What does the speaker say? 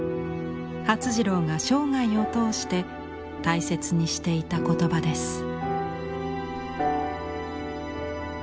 發次郎が生涯を通して大切にしていた言葉です。